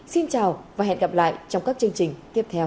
xin chào và hẹn gặp lại trong các chương trình tiếp theo